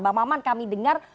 bang maman kami dengar